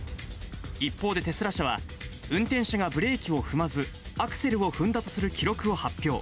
一方で、テスラ社は運転手がブレーキを踏まず、アクセルを踏んだとする記録を発表。